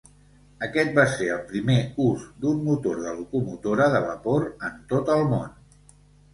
Aquest va ser el primer ús d'un motor de locomotora de vapor en tot el món.